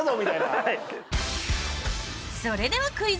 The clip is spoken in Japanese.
それではクイズ！